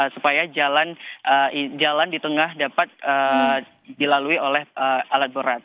supaya jalan di tengah dapat dilalui oleh alat berat